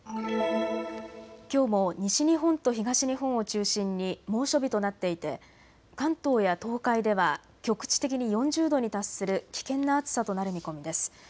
きょうも西日本と東日本を中心に猛暑日となっていて関東や東海では局地的に４０度に達する危険な暑さとなる見込みです。